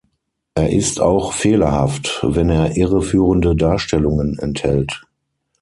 Er ist auch fehlerhaft, wenn er irreführende Darstellungen enthält.